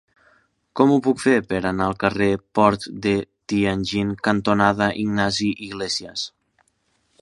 Com ho puc fer per anar al carrer Port de Tianjin cantonada Ignasi Iglésias?